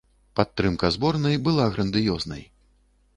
Падтрымка зборнай была грандыёзнай.